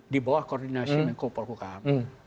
di bawah koordinasi kepol kukam